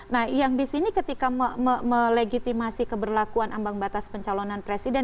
nah yang disini ketika melegitimasi keberlakuan ambang batas pencalonan presiden